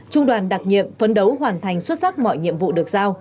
trung đoàn đặc nhiệm phấn đấu hoàn thành xuất sắc mọi nhiệm vụ được giao